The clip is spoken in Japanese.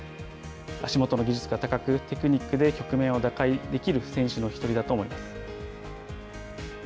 足元の技術が高く、テクニックで局面を打開できる選手の１人だと思います。